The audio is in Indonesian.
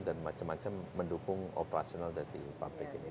dan macam macam mendukung operasional dari pabrik ini